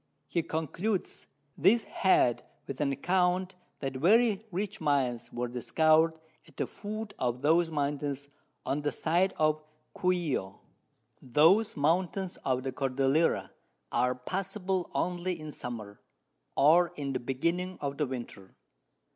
He concludes this Head with an Account that very rich Mines were discover'd at the Foot of those Mountains on the side of Cuio. Those Mountains of the Cordillera are passable only in Summer, or in the Beginning of the Winter.